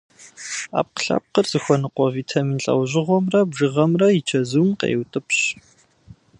Ӏэпкълъэпкъыр зыхуэныкъуэ витамин лӏэужьыгъуэмрэ бжыгъэмрэ и чэзум къеутӏыпщ.